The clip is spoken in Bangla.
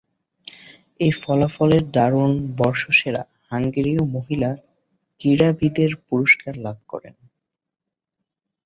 এ ফলাফলের দরুণ বর্ষসেরা হাঙ্গেরীয় মহিলা ক্রীড়াবিদের পুরস্কার লাভ করেন।